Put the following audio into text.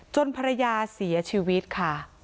ภรรยาเสียชีวิตค่ะ